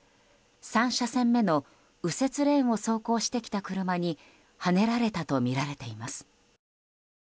３車線目の右折レーンを走行してきた車にはねられたとみられています。